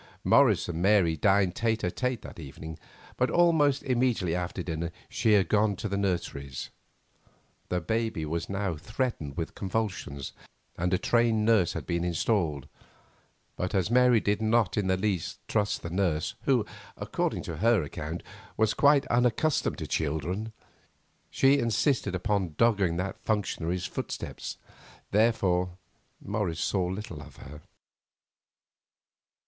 Morris and Mary dined tête à tête that evening, but almost immediately after dinner she had gone to the nurseries. The baby was now threatened with convulsions, and a trained nurse had been installed. But, as Mary did not in the least trust the nurse, who, according to her account, was quite unaccustomed to children, she insisted upon dogging that functionary's footsteps. Therefore, Morris saw little of her.